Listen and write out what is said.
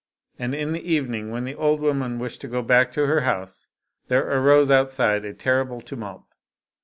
And in the evening, when the old woman wished to go back to her house, there arose outside a terrible tumult.